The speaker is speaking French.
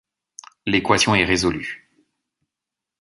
L'équation est résolue.